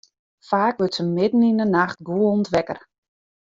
Faak wurdt se midden yn 'e nacht gûlend wekker.